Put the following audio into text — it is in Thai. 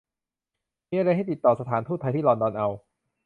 มีอะไรให้ติดต่อสถานทูตไทยที่ลอนดอนเอา